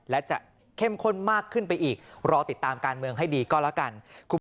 และจะเข้มข้นมากขึ้นไปอีกรอติดตามการเมืองให้ดีก็แล้วกัน